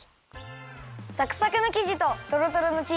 サクサクのきじととろとろのチーズがいいね！